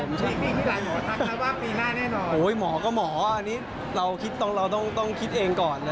ไม่ได้แบบว่าเฮ้ยปีหน้าเว้ยอะไรอย่างงี้ไม่ได้หรอกค่ะ